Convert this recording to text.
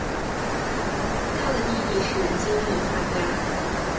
他的弟弟是金密萨加。